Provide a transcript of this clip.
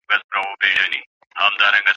لويي څپې به لکه غرونه راځي